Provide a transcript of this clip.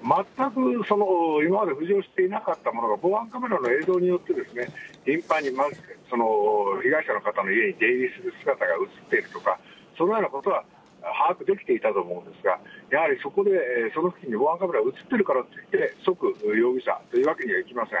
全く今まで浮上していなかったものが、防犯カメラの映像によって頻繁に被害者の方の家に出入りする姿が写っているとか、そのようなことは把握できていたと思うんですが、やはりそこで、その付近で防犯カメラ写ってるからといって、即容疑者というわけにはいきません。